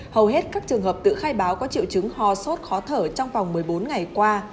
hầu hết các trường hợp tự khai báo có triệu chứng ho sốt khó thở trong vòng một mươi bốn ngày qua